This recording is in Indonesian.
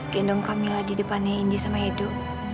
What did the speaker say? gendong kamila di depannya indi sama edo